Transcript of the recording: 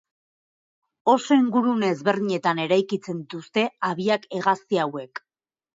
Oso ingurune ezberdinetan eraikitzen dituzte habiak hegazti hauek.